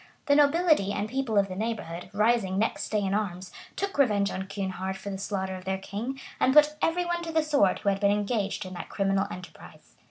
The nobility and people of the neighborhood, rising next day in arms, took revenge on Kynehard for the slaughter of their king, and put every one to the sword who had been engaged in that criminal enterprise.